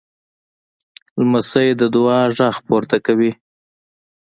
لمسی د دعا غږ پورته کوي.